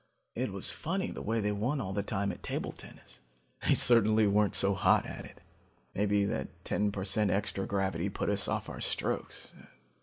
"It was funny the way they won all the time at table tennis. They certainly weren't so hot at it. Maybe that ten per cent extra gravity put us off our strokes.